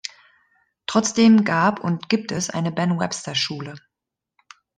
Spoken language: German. Trotzdem gab und gibt es eine Ben Webster–Schule.